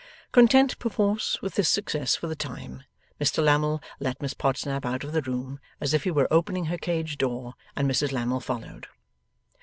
Content perforce with this success for the time, Mr Lammle let Miss Podsnap out of the room, as if he were opening her cage door, and Mrs Lammle followed.